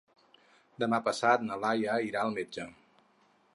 Demà passat na Laia irà al metge.